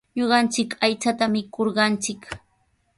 Ñuqanchik aychata mikurqanchik.